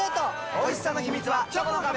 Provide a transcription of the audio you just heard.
おいしさの秘密はチョコの壁！